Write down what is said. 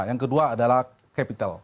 yang kedua adalah capital